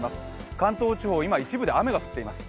関東地方、今、一部で雨が降っています。